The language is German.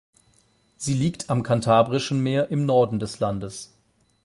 Sie liegt am Kantabrischen Meer im Norden des Landes.